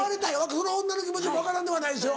その女の気持ち分からんではないですよ。